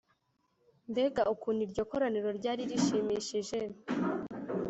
Mbega ukuntu iryo koraniro ryari rishimishije